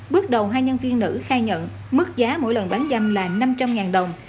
bước đầu hai nhân viên nữ khai nhận mức giá mỗi lần bán dâm là năm trăm linh đồng